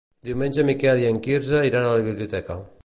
Diumenge en Miquel i en Quirze iran a la biblioteca.